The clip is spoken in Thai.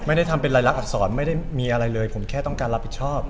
ไม่ได้ทำเป็นรายลักษณอักษรไม่ได้มีอะไรเลยผมแค่ต้องการรับผิดชอบ